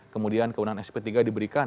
kemudian kewenangan sp tiga diberikan